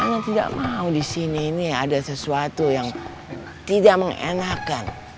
saya tidak mau di sini ada sesuatu yang tidak menyenangkan